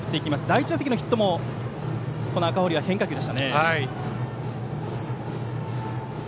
第１打席のヒットも赤堀は変化球でした。